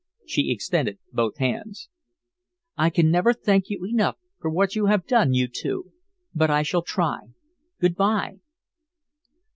She extended both hands. "I can never thank you enough for what you have done you two; but I shall try. Good bye!"